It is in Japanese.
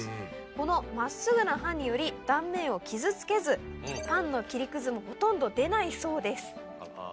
この真っすぐな刃により断面を傷つけずパンの切り屑もほとんど出ないそうです。